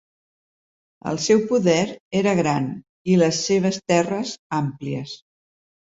El seu poder era gran i les seves terres àmplies.